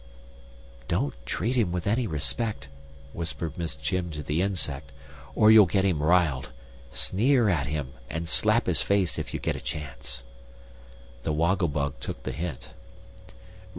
"Don't treat him with any respect," whispered Miss Chim to the Insect, "or you'll get him riled. Sneer at him, and slap his face if you get a chance." The Woggle Bug took the hint.